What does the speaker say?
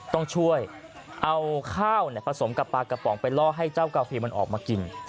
ต้องช่วยเอาข้าวผสมกับปลากระป๋องไปล่อให้เจ้ากาฟิมันออกมากิน